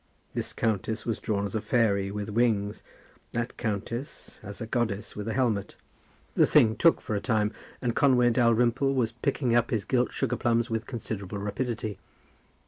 This countess was drawn as a fairy with wings, that countess as a goddess with a helmet. The thing took for a time, and Conway Dalrymple was picking up his gilt sugar plums with considerable rapidity.